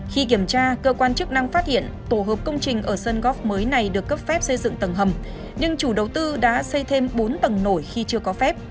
khi kiểm tra cơ quan chức năng phát hiện tổ hợp công trình ở sân góp mới này được cấp phép xây dựng tầng hầm nhưng chủ đầu tư đã xây thêm bốn tầng nổi khi chưa có phép